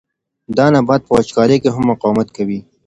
دا نبات په وچکالۍ کې هم مقاومت کوي.